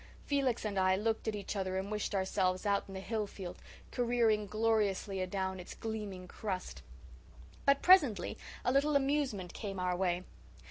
Felix and I looked at each other and wished ourselves out in the hill field, careering gloriously adown its gleaming crust. But presently a little amusement came our way.